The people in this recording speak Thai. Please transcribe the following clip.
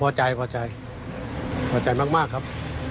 ก็พอใจพอใจมากครับ